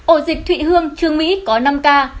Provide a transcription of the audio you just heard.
ổ dịch thụy hương trường mỹ có năm ca